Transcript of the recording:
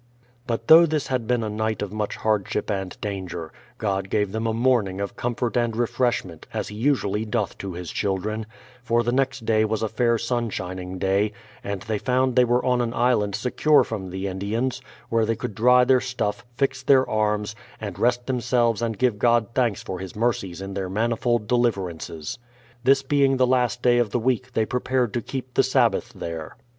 But though this had been a night of much hardship and danger, God gave them a morning of comfort and refresh ment, as He usually doth to His children ; for the next day was a fair sun shining day, and they found they were on an island secure from the Indians, where they could dry their stuff, fix their arms, and rest themselves and give God thanks for His mercies in their manifold deliverances. This being the last day of the week tliey prepared to keep the Sabbath there.